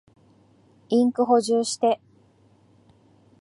インク補充して。